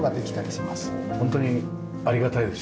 本当にありがたいですよね